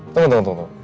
tunggu tunggu tunggu